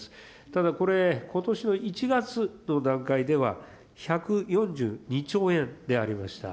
ただこれ、ことしの１月の段階では、１４２兆円でありました。